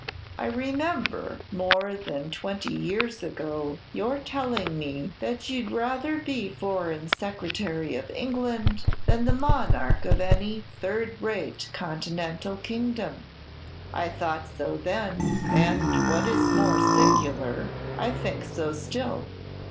I remember, more than twenty years ago, your telling me that you'd rather be Foreign Secretary of England than the monarch of any third rate Continental kingdom." "I thought so then, and, what is more singular, I think so still."